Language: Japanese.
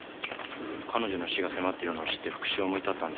彼女の死が迫っているのを知って復讐を思い立ったんですかね？